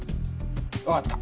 わかった。